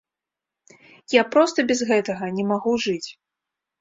Я проста без гэтага не магу жыць!